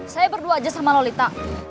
saya berdua aja sama lolita